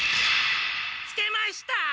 つけました！